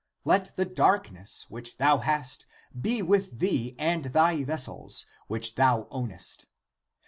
Let the darkness which thou hast be with thee and thy vessels, which thou ownest.